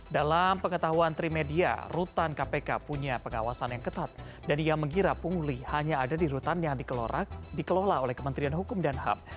dalam pengetahuan trimedia rutan kpk punya pengawasan yang ketat dan ia mengira pungguli hanya ada di rutan yang dikelola oleh kementerian hukum dan ham